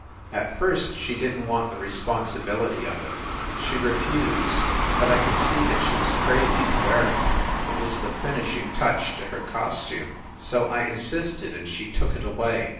At first she didn t want the responsibility of it; she refused; but I could see that she was crazy to wear it. It was the finishing touch to her costume. So I in sisted and she took it away.